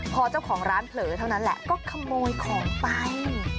พอเจ้าของร้านเผลอเท่านั้นแหละก็ขโมยของไป